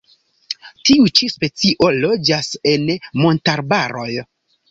Tiu ĉi specio loĝas en montarbaroj.